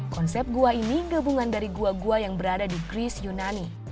konsep gua ini gabungan dari gua gua yang berada di gris yunani